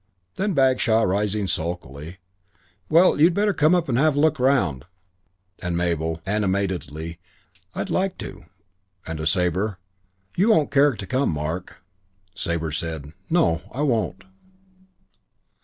Then Bagshaw, rising sulkily, "Well, you'd better come up and have a look round." And Mabel, animatedly, "I'd like to"; and to Sabre, "You won't care to come, Mark." Sabre said, "No, I won't."